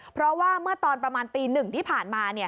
เพราะว่าเมื่อตอนประมาณตี๑ที่ผ่านมา